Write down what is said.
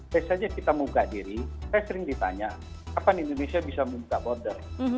saya saja kita membuka diri saya sering ditanya kapan indonesia bisa membuka border